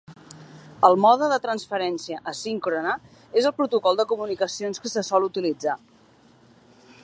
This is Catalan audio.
El mode de transferència asíncrona és el protocol de comunicacions que se sol utilitzar.